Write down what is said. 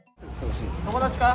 友達か？